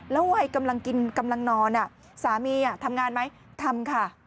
วัยกำลังกินกำลังนอนสามีทำงานไหมทำค่ะ